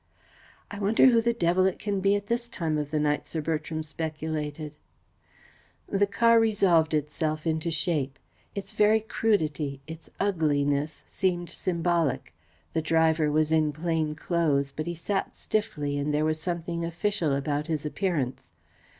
"I wonder who the devil it can be at this time of the night?" Sir Bertram speculated. The car resolved itself into shape. Its very crudity, its ugliness, seemed symbolic. The driver was in plain clothes, but he sat stiffly and there was something official about his appearance.